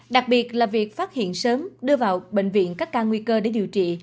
đặc biệt là việc phát hiện sớm đưa vào bệnh viện các ca nguy cơ để điều trị